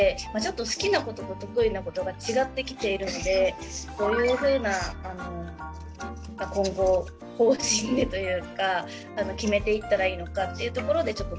好きなことと得意なことが違ってきているのでどういうふうな今後方針でというか決めていったらいいのかっていうところでちょっと悩んでいます。